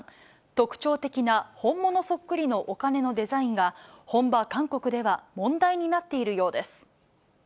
特徴的な本物そっくりのお金のデザインが、本場韓国では問題になっているようです。